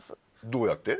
どうやって？